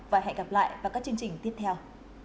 và hẹn gặp lại vào các chương trình tiếp theo